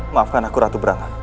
maafkan aku ratu brana